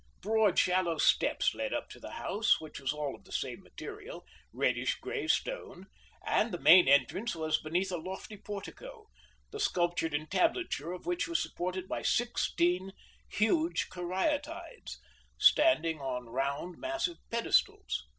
Broad, shallow steps led up to the house, which was all of the same material reddish gray stone; and the main entrance was beneath a lofty portico, the sculptured entablature of which was supported by sixteen huge caryatides, standing on round massive pedestals.